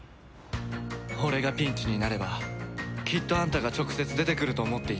俺がピンチになればきっとあんたが直接出てくると思っていたよ。